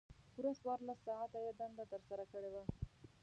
پوره څوارلس ساعته یې دنده ترسره کړې وه.